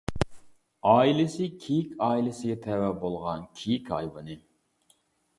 ئائىلىسى كېيىك ئائىلىسىگە تەۋە بولغان كېيىك ھايۋىنى.